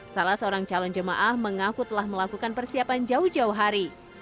salah seorang calon jemaah mengaku telah melakukan persiapan jauh jauh hari